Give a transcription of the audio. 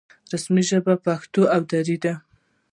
رسمي ژبې پښتو او دري دي